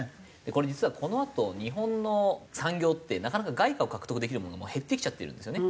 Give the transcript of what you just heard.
これ実はこのあと日本の産業ってなかなか外貨を獲得できるものも減ってきちゃっているんですよね。